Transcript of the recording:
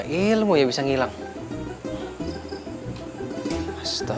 kemana lagi ya